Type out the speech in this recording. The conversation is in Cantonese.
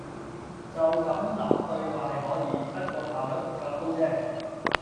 就咁諗對話係可以，不過效率唔夠高啫